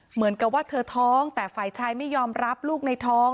เหมือนกับว่าเธอท้องแต่ฝ่ายชายไม่ยอมรับลูกในท้อง